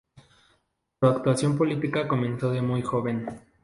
Su actuación política comenzó de muy joven.